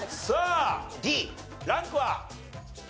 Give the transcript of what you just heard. さあＤランクは？